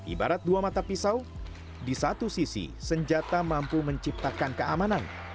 ibarat dua mata pisau di satu sisi senjata mampu menciptakan keamanan